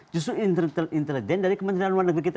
justru intelijen dari kementerian luar negeri kita